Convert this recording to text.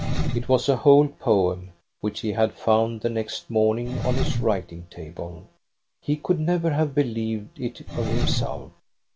It was a whole poem, which he had found the next morning on his writing table. He could never have believed it of himself.